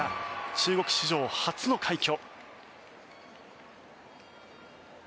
中国史上初の快挙。